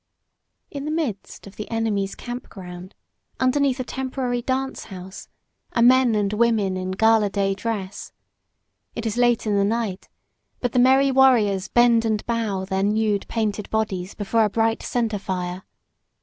In the midst of the enemy's camp ground, underneath a temporary dance house, are men and women in gala day dress. It is late in the night, but the merry warriors bend and bow their nude, painted bodies before a bright center fire.